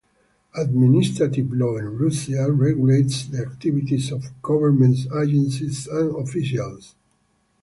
Administrative law in Russia regulates the activities of government agencies and officials.